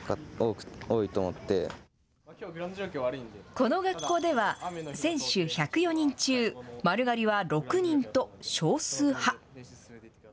この学校では、選手１０４人中丸刈りは６人と、少数派。